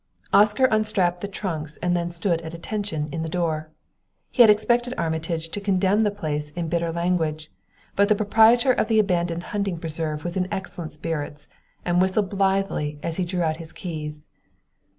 Oscar unstrapped the trunks and then stood at attention in the door. He had expected Armitage to condemn the place in bitter language, but the proprietor of the abandoned hunting preserve was in excellent spirits, and whistled blithely as he drew out his keys.